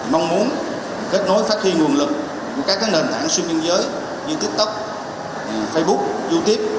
mong muốn kết nối phát triển nguồn lực của các nền tảng xuyên biên giới như tiktok facebook youtube